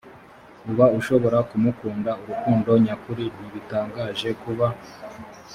uba ushobora kumukunda urukundo nyakuri ntibitangaje kuba